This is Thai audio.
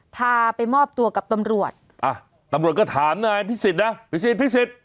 พาไปมอบตัวกับตำรวจอ่ะตำรวจก็ถามนายพิศิษฐ์นะพิศิษฐ์พิศิษฐ์